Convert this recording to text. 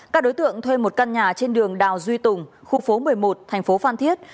các đối tượng thuê một căn nhà trên đường đào duy tùng khu phố một mươi một thành phố phan thiết